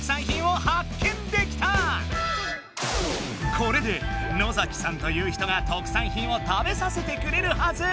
これで野崎さんという人が特産品を食べさせてくれるはず。